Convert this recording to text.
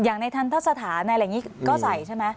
ในทันทะสถานในอะไรอย่างนี้ก็ใส่ใช่ไหม